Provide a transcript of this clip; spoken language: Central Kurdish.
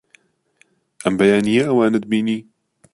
ئەم بەیانییە ئەوانت بینی؟